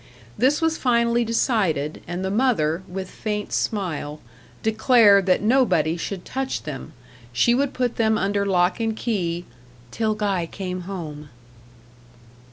This was finally decided, and the mother, with faint smile, declared that nobody should touch them; she would put them under lock and key "till Guy came home."